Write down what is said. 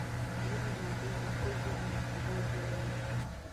ځینې محصلین د خپل ذهني استعداد لوړوي.